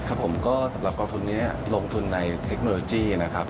ครับผมก็สำหรับกองทุนนี้ลงทุนในเทคโนโลยีนะครับ